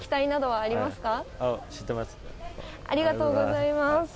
ありがとうございます。